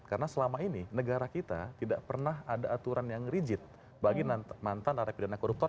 karena selama ini negara kita tidak pernah ada aturan yang rigid bagi mantan araya pidana koruptor